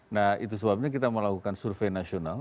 nah itu sebabnya kita melakukan survei nasional